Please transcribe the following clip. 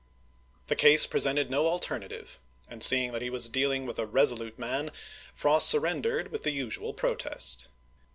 The case presented no alter native ; and seeing that he was dealing with a reso lute man, Frost surrendered with the usual protest.